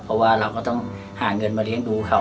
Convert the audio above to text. เพราะว่าเราก็ต้องหาเงินมาเลี้ยงดูเขา